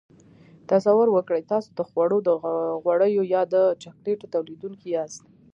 تصور وکړئ تاسو د خوړو د غوړیو یا د چاکلیټو تولیدوونکي یاست.